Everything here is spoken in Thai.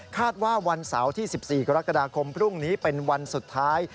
ว่าวันเสาร์ที่๑๔กรกฎาคมพรุ่งนี้เป็นวันสุดท้าย